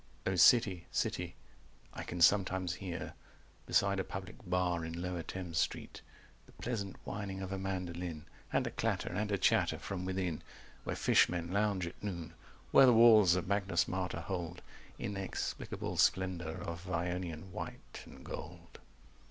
O City city, I can sometimes hear Beside a public bar in Lower Thames Street, 260 The pleasant whining of a mandoline And a clatter and a chatter from within Where fishmen lounge at noon: where the walls Of Magnus Martyr hold Inexplicable splendour of Ionian white and gold.